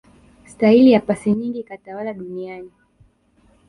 staili ya pasi nyingi ikatawala duniani